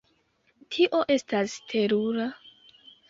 Tio estas terura.